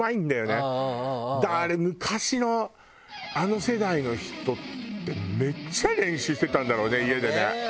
あれ昔のあの世代の人ってめっちゃ練習してたんだろうね家でね。